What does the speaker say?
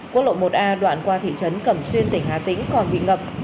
quốc lộ một a đoạn qua thị trấn cẩm xuyên tỉnh hà tĩnh còn bị ngập